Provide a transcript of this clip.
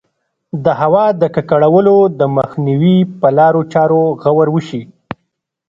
د هوا د ککړولو د مخنیوي په لارو چارو غور وشي.